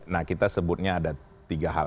nah kita sebutnya ada tiga hal